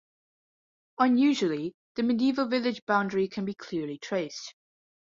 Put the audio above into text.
Unusually, the medieval village boundary can be clearly traced.